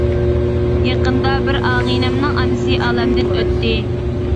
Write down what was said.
يېقىندا بىر ئاغىنەمنىڭ ئانىسى ئالەمدىن ئۆتتى.